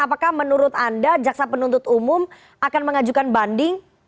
apakah menurut anda jaksa penuntut umum akan mengajukan banding